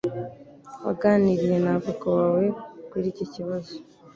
Waganiriye na avoka wawe kuri iki kibazo